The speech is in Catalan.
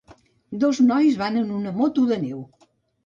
Dos nois van en una moto de neu.